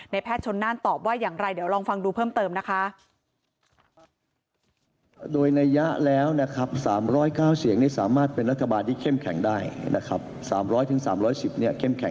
แพทย์ชนน่านตอบว่าอย่างไรเดี๋ยวลองฟังดูเพิ่มเติมนะคะ